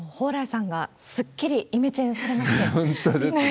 蓬莱さんがすっきりイメチェンされまして。